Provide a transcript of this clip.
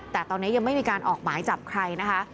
แต่ตอนนี้ยังไม่มีการออกหมายจับใครนะคะ